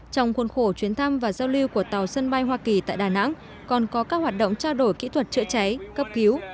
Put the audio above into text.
trong khuôn khổ chuyến thăm và giao lưu của tàu sân bay hoa kỳ tại đà nẵng còn có các hoạt động trao đổi kỹ thuật chữa cháy cấp cứu